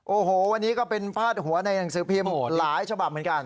โอ้โหวันนี้ก็เป็นพาดหัวในหนังสือพิมพ์หลายฉบับเหมือนกัน